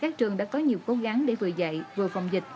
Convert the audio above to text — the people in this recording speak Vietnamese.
các trường đã có nhiều cố gắng để vừa dạy vừa phòng dịch